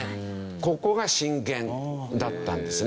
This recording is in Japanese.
ここが震源だったんですね。